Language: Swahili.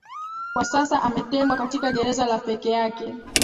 kwa sasa ametengwa katika ngereza la peke yake